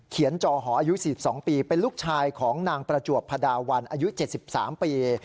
จอหออายุ๔๒ปีเป็นลูกชายของนางประจวบพระดาวันอายุ๗๓ปี